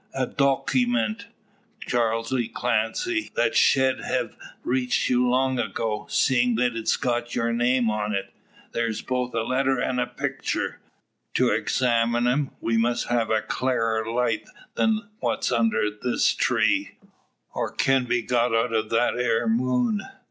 "A dookyment, Charley Clancy, that shed hev reached you long ago, seein' that it's got your name on it. Thar's both a letter and a pictur'. To examine 'em, we must have a clarer light than what's unner this tree, or kin be got out o' that 'ere moon.